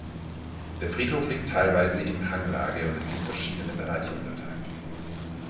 Der Friedhof liegt teilweise in Hanglage und ist in verschiedene Bereiche unterteilt.